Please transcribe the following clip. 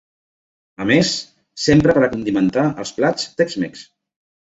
A més, s'empra per a condimentar els plats tex-mex.